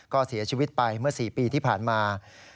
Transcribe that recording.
ก็เสียชีวิตไปเมื่อ๔ปีที่ผ่านมา